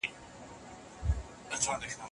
څوک د بدلون غوښتونکي دي؟